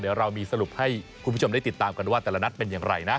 เดี๋ยวเรามีสรุปให้คุณผู้ชมได้ติดตามกันว่าแต่ละนัดเป็นอย่างไรนะ